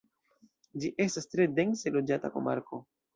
Ĝi estas tre dense loĝata komarko.